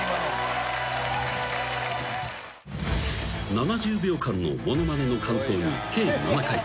［７０秒間のものまねの間奏に計７回］